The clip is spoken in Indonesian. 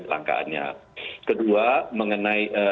kelangkaannya kedua mengenai